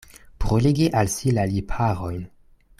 Bruligi al si la lipharojn.